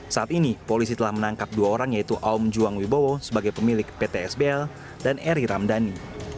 saat ini polisi telah menangkap dua orang yaitu om juang wibowo sebagai pemilik pt sbl dan eri ramdhani